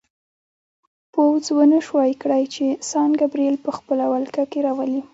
پوځ ونه شوای کړای چې سان ګبریل په خپله ولکه کې راولي.